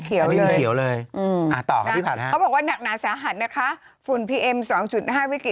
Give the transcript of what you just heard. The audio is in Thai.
เครื่องฟอกพี่ห้ออะไรดี